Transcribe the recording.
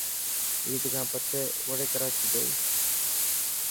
عيد کان پڇي وڙي ڪراچي جائيس.